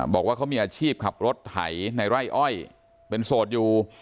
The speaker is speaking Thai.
บอกว่าเขามีอาชีพขับรถไถในไร่อ้อยเป็นโสดอยู่